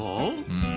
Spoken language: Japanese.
うん？